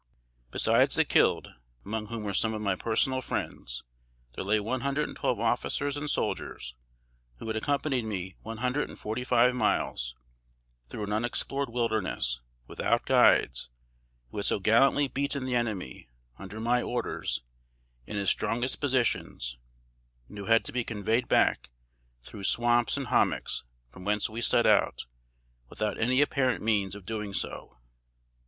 Besides the killed, among whom were some of my personal friends, there lay one hundred and twelve officers and soldiers, who had accompanied me one hundred and forty five miles, through an unexplored wilderness, without guides; who had so gallantly beaten the enemy, under my orders, in his strongest positions; and who had to be conveyed back, through swamps and hommocks, from whence we set out, without any apparent means of doing so."